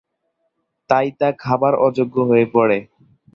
তাই তা খাবার অযোগ্য হয়ে পড়ে।